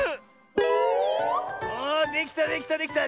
おおできたできたできた！